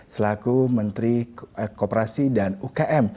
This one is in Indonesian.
selaku menteri kooperasi dan ukm